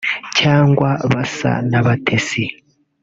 cyangwa basa n’abatesi